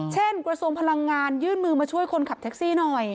กระทรวงพลังงานยื่นมือมาช่วยคนขับแท็กซี่หน่อย